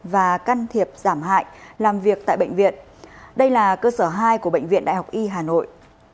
và can thiệp giảm hại làm việc tại bệnh viện đây là cơ sở hai của bệnh viện đại học y hà nội